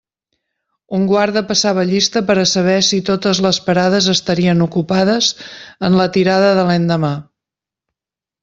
Un guarda passava llista per a saber si totes les parades estarien ocupades en la tirada de l'endemà.